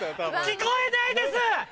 聞こえないです！